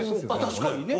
確かにね。